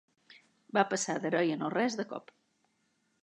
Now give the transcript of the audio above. Va passar d'heroi a no res de cop.